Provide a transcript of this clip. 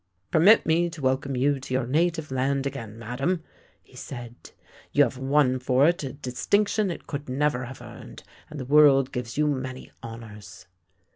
" Permit me to welcome you to your native land again, madame," he said. " You have won for it a dis tinction it could never have earned, and the world gives you many honours."